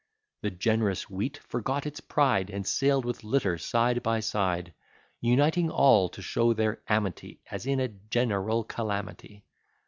The generous wheat forgot its pride, And sail'd with litter side by side; Uniting all, to show their amity, As in a general calamity.